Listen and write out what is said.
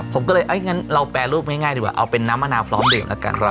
ผมก็เลยงั้นเราแปรรูปง่ายดีกว่าเอาเป็นน้ำมะนาวพร้อมดื่มแล้วกัน